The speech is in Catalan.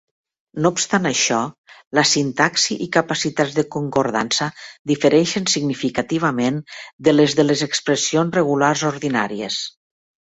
No obstant això, la sintaxi i capacitats de concordança difereixen significativament de les de les expressions regulars ordinàries.